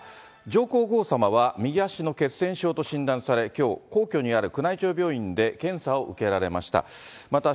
上皇后さまは右足の血栓症と診断され、きょう、皇居にある宮内庁病院で検査を受けられました。